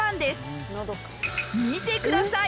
見てください！